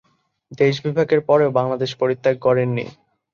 দেশবিভাগের পরেও বাংলাদেশ পরিত্যাগ করেননি।